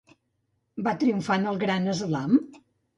Va triomfar en el Grand Slam?